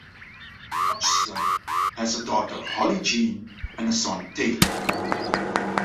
Hodgson has a daughter Hollie-Jean and son Taylor.